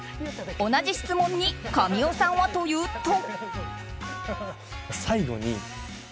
同じ質問に神尾さんはというと。